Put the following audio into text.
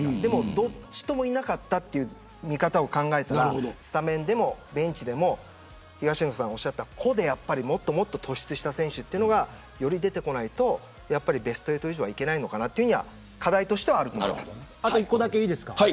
どちらともいなかったという見方を考えればスタメンでもベンチでも東野さんが言ったように個でもっと突出した選手がより出てこないとベスト８以上はいけないのかなというのはあと、一つだけいいですか。